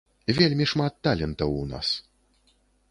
Вельмі шмат талентаў у нас.